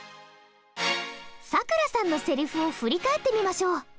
咲桜さんのセリフを振り返ってみましょう。